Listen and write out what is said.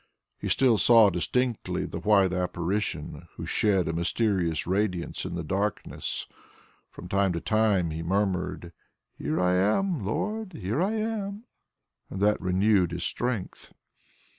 He still saw distinctly the white Apparition Who shed a mysterious radiance in the darkness. From time to time he murmured, "Here I am Lord, here I am!" and that renewed his strength.